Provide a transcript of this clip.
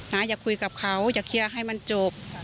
อย่าคุยกับเขาอย่าเคลียร์ให้มันจบ